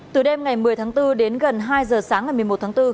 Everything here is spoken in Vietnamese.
từ đêm ngày một mươi tháng bốn đến gần hai giờ sáng ngày một mươi một tháng bốn